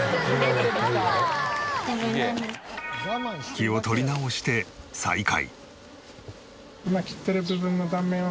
気を取り直して再開。